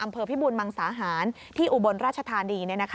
อำเภอพิบูรณ์มังสาหารที่อุบลราชธานี